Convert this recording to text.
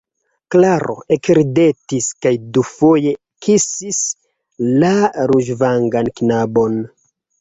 Klaro ekridetis kaj dufoje kisis la ruĝvangan knabon.